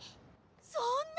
そんな！